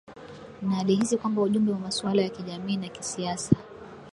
Na alihisi kwamba ujumbe wa masuala ya kijamii na kisiasa